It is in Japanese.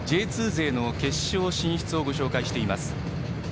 Ｊ２勢の決勝進出をご紹介しています。